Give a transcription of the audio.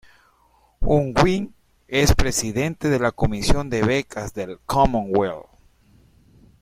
Unwin es Presidente de la "Comisión de Becas" del Commonwealth.